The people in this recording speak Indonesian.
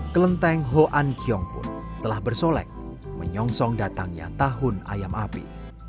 kelenteng hoan kiong pun telah bersolek menyongsong datangnya tahun ayam api